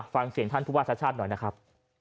ฟังเสียงท่านผู้ว่าชาติชาติหน่อยนะครับ